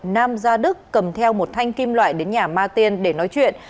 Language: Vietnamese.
nam gia đức cầm theo một thanh kim loại đến nhà ma tiên để nói chuyện